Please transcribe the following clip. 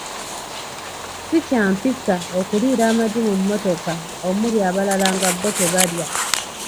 Ssi kya mpisa okuliira amagi mu mmotoka omuli abalala nga bo tebalya.